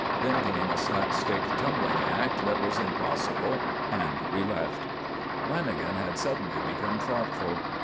Then came a slap stick tumbling act that was impossible, and we left. Lanagan had suddenly become thoughtful.